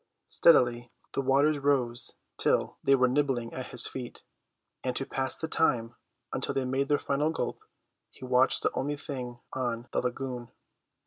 Steadily the waters rose till they were nibbling at his feet; and to pass the time until they made their final gulp, he watched the only thing on the lagoon.